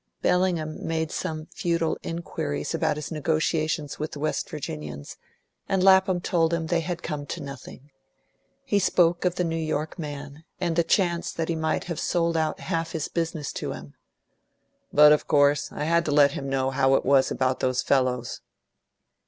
Bellingham made some futile inquiries about his negotiations with the West Virginians, and Lapham told him they had come to nothing. He spoke of the New York man, and the chance that he might have sold out half his business to him. "But, of course, I had to let him know how it was about those fellows."